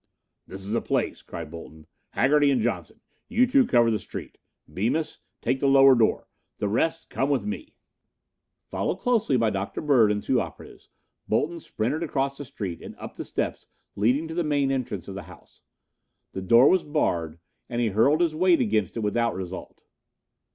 "This is the place," cried Bolton. "Haggerty and Johnson, you two cover the street. Bemis, take the lower door. The rest come with me." Followed closely by Dr. Bird and two operatives, Bolton sprinted across the street and up the steps leading to the main entrance of the house. The door was barred, and he hurled his weight against it without result.